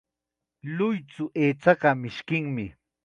Lluychu aychata mishkinmi.